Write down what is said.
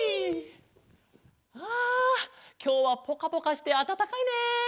あきょうはぽかぽかしてあたたかいね。